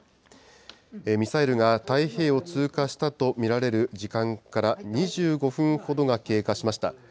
ミサイルが太平洋を通過したとみられる時間から２５分ほどが経過しました。